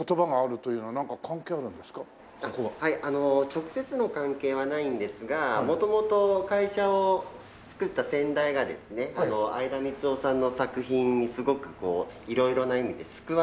直接の関係はないんですが元々会社を作った先代がですね相田みつをさんの作品にすごくこう色々な意味で救われまして。